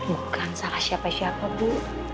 bukan salah siapa siapa bu